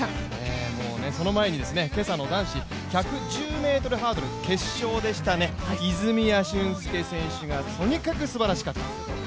その前に今朝の男子１１０ｍハードル決勝でしたね、泉谷駿介選手がとにかくすばらしかった。